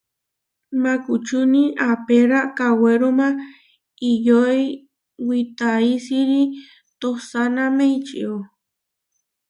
Makučúni apéra kawéruma iʼyói witaísiri tohsáname ičió.